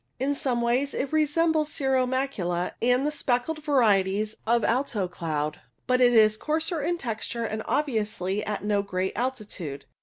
In some ways it resembles cirro macula and the speckled varieties of alto cloud, but it is coarser in texture and obviously at no great altitude.